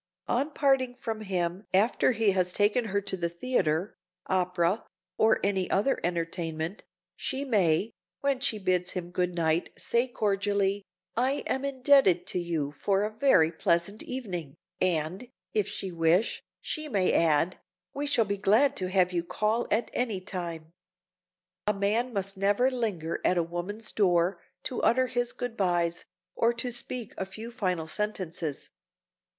On parting from him, after he has taken her to the theater, opera or any other entertainment, she may, when she bids him good night, say cordially, "I am indebted to you for a very pleasant evening," and, if she wish, she may add, "We shall be glad to have you call at any time." A man must never linger at a woman's door to utter his good bys, or to speak a few final sentences.